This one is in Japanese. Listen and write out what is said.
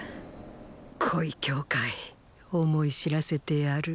来い羌思い知らせてやる！